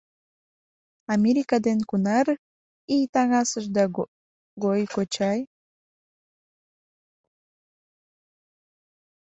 — Америка дене кунар ий таҥасышда гойо, кочай?